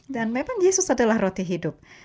dan memang yesus adalah roti hidup